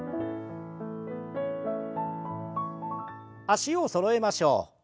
脚をそろえましょう。